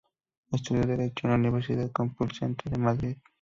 Estudió derecho en la universidad Complutense de Madrid.